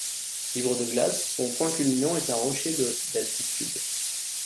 Libre de glace, son point culminant est un rocher de d'altitude.